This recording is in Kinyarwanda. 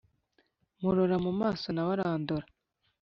Murora mu maso nawe arandora,